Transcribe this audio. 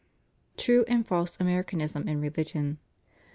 TRUE AND FALSE AMERICANISM IN RELIGION.